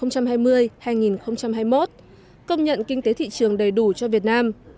công nhận kinh tế thị trường đầy đủ cho việt nam